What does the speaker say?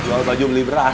jual baju beli beras